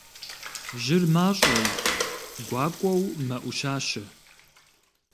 Жьыр мащӀэу, гуакӀуэу мэӀущащэ.